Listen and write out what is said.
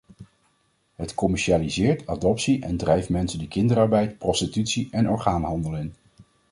Het commercialiseert adoptie en drijft mensen de kinderarbeid, prostitutie en orgaanhandel in.